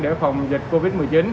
để phòng dịch covid một mươi chín